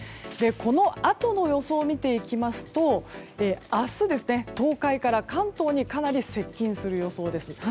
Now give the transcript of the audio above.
このあとの予想を見ていきますと明日、東海から関東にかなり接近する予想です。